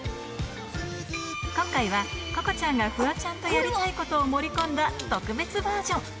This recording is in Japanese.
今回は、ここちゃんがフワちゃんとやりたいことを盛り込んだ特別バージョン。